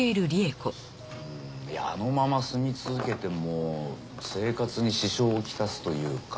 いやあのまま住み続けても生活に支障をきたすというか。